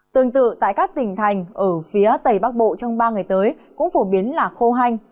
tương tự tại các tỉnh thành ở phía tây bắc bộ trong ba ngày tới cũng phổ biến là khô hanh